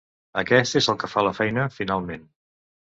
Aquest és el que fa la feina, finalment.